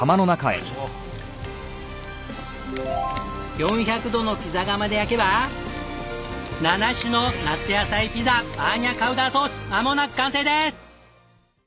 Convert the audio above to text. ４００度のピザ窯で焼けば７種の夏野菜ピザバーニャカウダソースまもなく完成です！